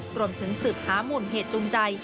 รวมถึงสืบหามูลเหตุจูงใจ